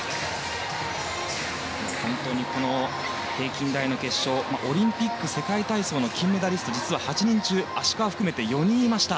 平均台の決勝にはオリンピック、世界体操の金メダリストが実は８人中、芦川を含め４人いました。